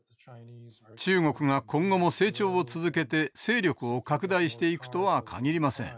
中国が今後も成長を続けて勢力を拡大していくとは限りません。